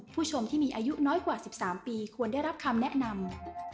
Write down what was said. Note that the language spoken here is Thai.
ผู้ชมที่มีอายุน้อยกว่า๑๓ปีควรได้รับคำแนะนำ